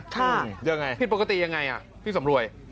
ค่ะยังไงผิดปกติยังไงพี่สำรวย